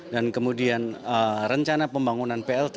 kemudian rencana pembangunan plt